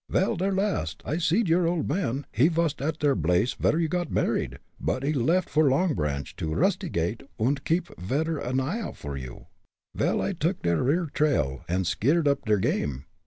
"Vel, der last I see'd your old man, he vas at der blace vere you got married. But he left for Long Branch to rustygate und keep a vedder eye out for you, vile I took der rear trail, und skeer'd up der game.